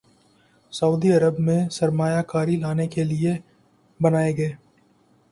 سعودی عرب میں سرمایہ کاری لانے کے لیے بنائے گئے